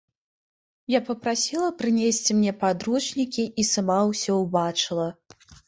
Я папрасіла прынесці мне падручнікі і сама ўсё ўбачыла.